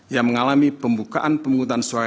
yang mengalami pembukaan pemungutan suara